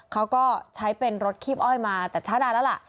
เขาก็ใช้เป็นรถคีบอ้อยมาแต่ช้านานแล้วล่ะ